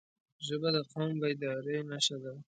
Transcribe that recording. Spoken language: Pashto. ژبه د قوم بیدارۍ نښه ده